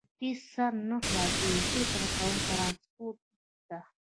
هېڅ سر نه خلاصېږي، فکر کوم، ترانسپورټ ته.